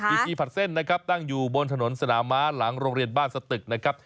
อีกทีผัดเส้นนะครับตั้งอยู่บนถนนสนามม้าหลังโรงเรียนบ้านสตึกนะครับ